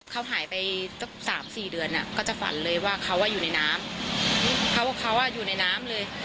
เขาหายไปสักสามสี่เดือนก็จะฝันเลยว่าเขาอยู่ในน้ำเขาบอกเขาอ่ะอยู่ในน้ำเลย